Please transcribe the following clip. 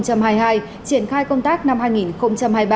triển khai công tác năm hai nghìn hai mươi ba